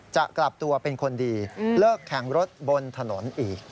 จะกลับตัวเป็นคนดีเลิกแข่งรถบนถนนอีก